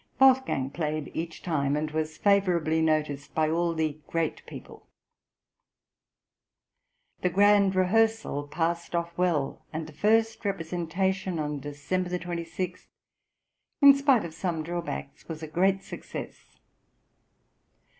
Wolfgang played each time, and was favourably noticed by all the great people. The grand rehearsal passed off well; and the first representation on December 26, in spite of some drawbacks, was a great success.